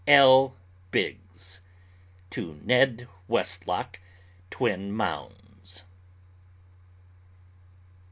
L. BIGGS. To NED WESTLOCK, Twin Mounds.